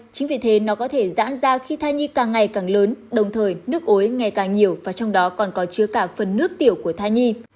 chính vì thế nó có thể giãn ra khi thai nhi càng ngày càng lớn đồng thời nước ối ngày càng nhiều và trong đó còn có chứa cả phần nước tiểu của thai nhi